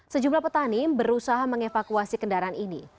sejumlah petani berusaha mengevakuasi kendaraan ini